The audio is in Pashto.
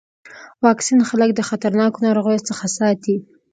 واکسین خلک د خطرناکو ناروغیو څخه ساتي.